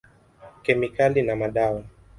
Kemikali na madawa.